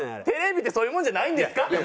テレビってそういうもんじゃないんですか？